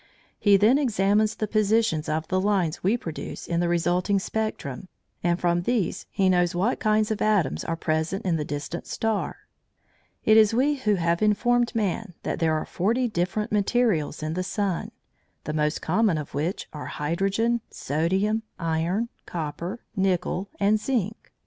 He then examines the positions of the lines we produce in the resulting spectrum, and from these he knows what kinds of atoms are present in the distant star. It is we who have informed man that there are forty different materials in the sun, the most common of which are hydrogen, sodium, iron, copper, nickel, and zinc.